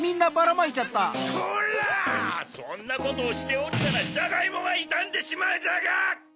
そんなことをしておったらジャガイモがいたんでしまうジャガ！